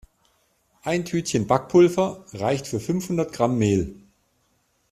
Ein Tütchen Backpulver reicht für fünfhundert Gramm Mehl.